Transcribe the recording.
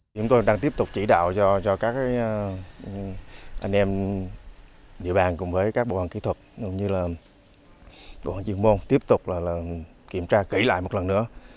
chúng tôi đang tiếp tục chỉ đạo cho các anh em dự bàn cùng với các bộ hành kỹ thuật như là bộ hành chuyên môn tiếp tục kiểm tra kỹ lại một lần nữa